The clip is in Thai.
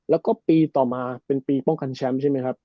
แล้วก็ปีต่อมาเป็นปีป้องกันแชมป์ใช่ไหมครับ